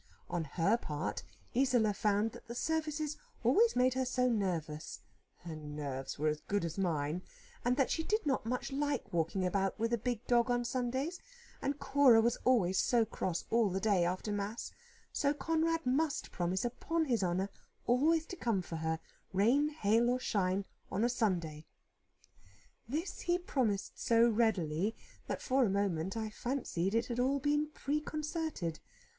On her part, Isola found that the services always made her so nervous (her nerves were as good as mine), and that she did not much like walking about with a big dog on Sundays, and Cora was always cross all the day after mass, so Conrad must promise upon his honour always to come for her, rain, hail, or shine, on a Sunday. This he promised so readily, that, for a moment, I fancied it had all been preconcerted.